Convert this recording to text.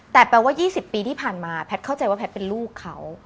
แต่แปลว่า๒๐ปีที่ผ่านมาแพทย์เข้าใจว่าแพทย์เป็นลูกเขา